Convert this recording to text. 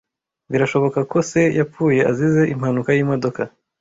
Birashoboka ko se yapfuye azize impanuka y'imodoka.